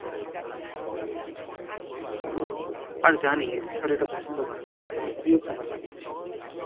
আর জানি এস্থার এটা পছন্দ করে না, তাই তোমার প্রিয় খাবার বানিয়েছি।